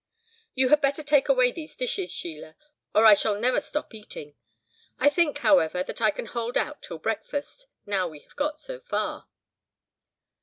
"You had better take away these dishes, Sheila, or I shall never stop eating. I think, however, that I can hold out till breakfast, now we have got so far."